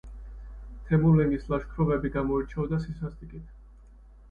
თემურლენგის ლაშქრობები გამოირჩეოდა სისასტიკით.